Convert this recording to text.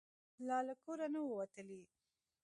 لا له کوره نه وو وتلي.